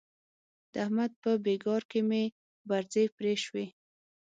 د احمد په بېګار کې مې برځې پرې شوې.